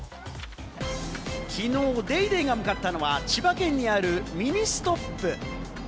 きのう『ＤａｙＤａｙ．』が向かったのは千葉県にあるミニストップ。